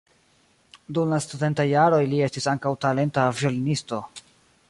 Dum la studentaj jaroj li estis ankaŭ talenta violonisto.